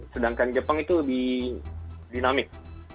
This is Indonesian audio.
sedangkan jepang itu lebih dinamik